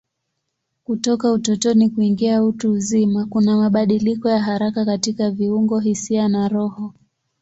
Kutoka utotoni kuingia utu uzima kuna mabadiliko ya haraka katika viungo, hisia na roho.